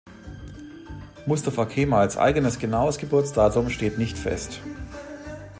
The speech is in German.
Mustafa Kemals eigenes genaues Geburtsdatum steht nicht fest.